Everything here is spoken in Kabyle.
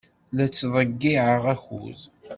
La tettḍeyyiɛeḍ akud.